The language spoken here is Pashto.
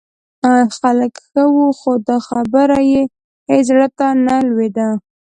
ښه خلک و، خو دا خبره یې هېڅ زړه ته نه لوېده.